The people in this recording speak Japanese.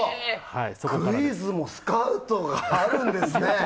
クイズもスカウトあるんですね。